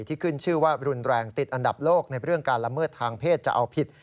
ที่ขึ้นชื่อว่ารุนแรงติดอันดับโลกในเรื่องการละเมิดทางเพศจะเอาผิด